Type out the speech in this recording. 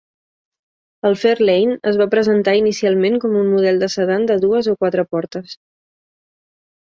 El Fairlane es va presentar inicialment com a model de sedan de dues o quatre portes.